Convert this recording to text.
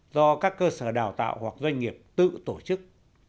do các cơ sở đào tạo hoặc doanh nghiệp tự tổ chức